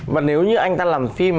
và nếu như anh ta làm phim